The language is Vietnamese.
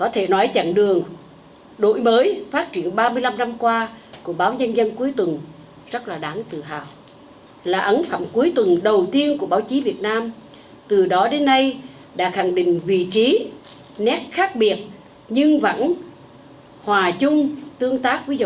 thương tác với dòng chạy chung của báo nhân dân và báo chí khách mạng